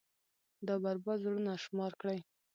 دا بـربـاد زړونه شمار كړئ.